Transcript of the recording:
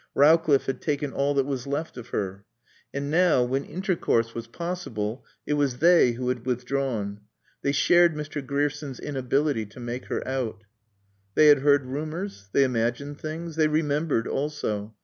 Rowcliffe had taken all that was left of her. And now, when intercourse was possible, it was they who had withdrawn. They shared Mr. Grierson's inability to make her out. They had heard rumors; they imagined things; they remembered also.